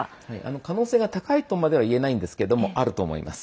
可能性が高いとまではいえないんですけれどもあると思います。